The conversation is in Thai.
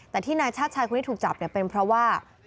แต่ที่นายชาติชายคนนี้ถูกจับเนี่ยเป็นเพราะว่า